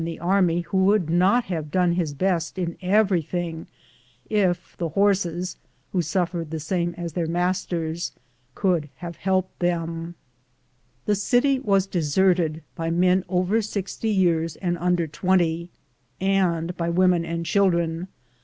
am Google THE JOURNEY OF CORONADO army who would not have done his best in everything if the horses, who suffered the same as their masters, could have helped them. The city was deserted by men over sixty years and under twenty, and by women and children.